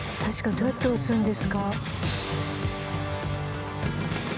どうやって押すんですか？